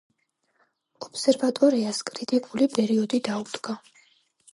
ობსერვატორიას კრიტიკული პერიოდი დაუდგა.